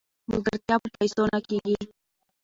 ملګرتیا په پیسو نه کیږي.